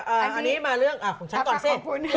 อันนี้มาเรื่องของฉันก่อนสิ